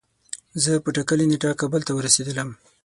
زه په ټاکلی نیټه کابل ته ورسیدلم